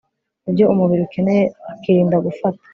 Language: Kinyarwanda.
ibyo umubiri ukeneye akirinda gufata